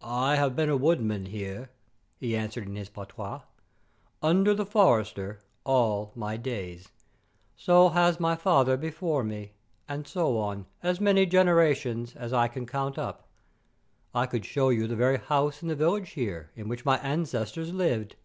"I have been a woodman here," he answered in his patois, "under the forester, all my days; so has my father before me, and so on, as many generations as I can count up. I could show you the very house in the village here, in which my ancestors lived."